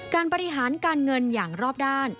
การบริหารการเงินอย่างรอบด้าน